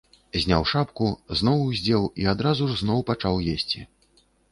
Зняў шапку, зноў уздзеў і адразу ж зноў пачаў есці.